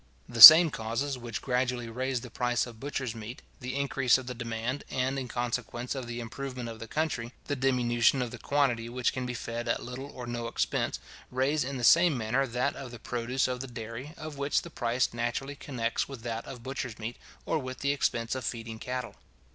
The same causes which gradually raise the price of butcher's meat, the increase of the demand, and, in consequence of the improvement of the country, the diminution of the quantity which can be fed at little or no expense, raise, in the same manner, that of the produce of the dairy, of which the price naturally connects with that of butcher's meat, or with the expense of feeding cattle.